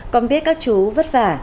con biết các chú vất vả